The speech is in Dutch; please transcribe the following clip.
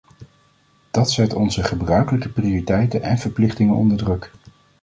Dat zet onze gebruikelijke prioriteiten en verplichtingen onder druk.